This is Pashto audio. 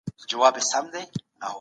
نړیوال ثبات د ټولو هیوادونو په ګټه دی.